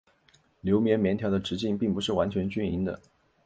梳棉棉条的直径并不是完全均匀的。